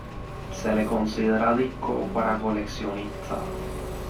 Se le considera disco para coleccionistas.